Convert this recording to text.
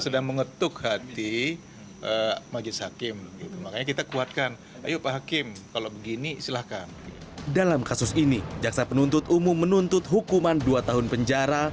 dalam kasus ini jaksa penuntut umum menuntut hukuman dua tahun penjara